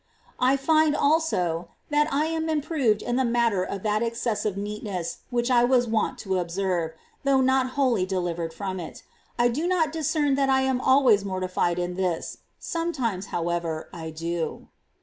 23. I find, also, that I am improved in the nStaesIf matter of that excessive neatness which I was wont to observe,' though not wholly delivered from it. I do not discern that I am always mortified in this ; sometimes, however, I do.